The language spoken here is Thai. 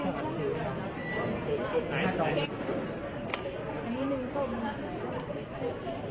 ลักษณะวิทยาลักษณ์ที่อยู่ในออกมาตรงนี้ในพิวเกียรติวิทยาลักษณะดโรคที่ได้ถูกรีดที่๖ปีที่จัดการถึงเป็นคุณที่กัดอย่างกัน